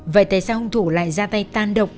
vậy tại sao hung thủ lại ra tay tan độc